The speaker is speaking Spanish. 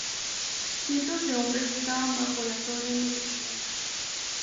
Cientos de hombres estaban bajo las órdenes de Pineda.